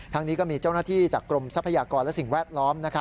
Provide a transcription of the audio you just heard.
นี้ก็มีเจ้าหน้าที่จากกรมทรัพยากรและสิ่งแวดล้อม